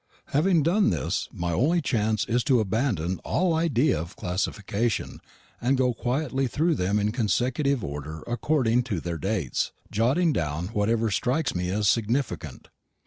Having done this, my only chance is to abandon all idea of classification, and go quietly through them in consecutive order according to their dates, jotting down whatever strikes me as significant.